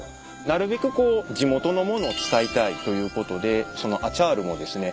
なるべく地元の物を使いたいということでアチャールもですね